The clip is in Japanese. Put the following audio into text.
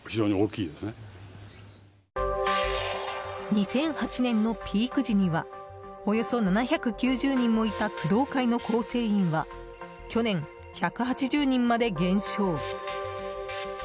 ２００８年のピーク時にはおよそ７９０人もいた工藤会の構成員は去年、１８０人まで減少。